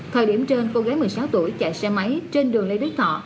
thời điểm trên cô gái một mươi sáu tuổi chạy xe máy trên đường lê đức thọ